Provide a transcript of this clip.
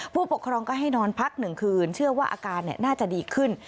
ผู้ปกครองก็ให้นอนพักหนึ่งคืนเชื่อว่าอาการน่าจะดีขึ้น